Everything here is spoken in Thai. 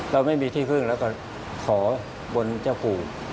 เราไม่มีที่พึ่งแล้วก็ขอบนเจ้าปู่